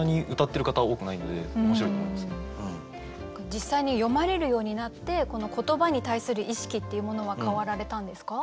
実際に詠まれるようになって言葉に対する意識っていうものは変わられたんですか？